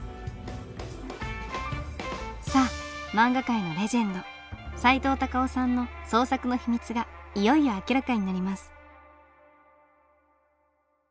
さあ漫画界のレジェンドさいとう・たかをさんの創作の秘密がいよいよ明らかになります。